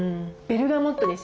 ベルガモットで。